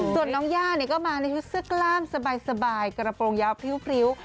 ส่วนน้องย่าก็มาในชุดเสื้อกล้ามสบายกระโปรงยาวพริ้ว